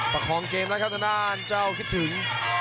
ประคองเกมแล้วครับทางด้านเจ้าคิดถึง